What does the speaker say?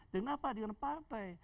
dengan apa dengan partai